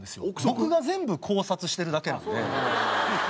僕が全部考察してるだけなんで。